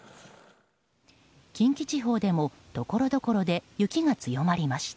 近畿地方でもところどころで雪が強まりました。